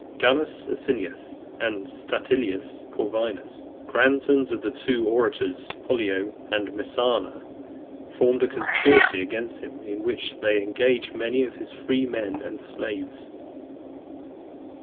Gallus Asinius and Statilius Corvinus, grandsons of the two orators, Pollio and Messala , formed a conspiracy against him, in which they engaged many of his freedmen and slaves.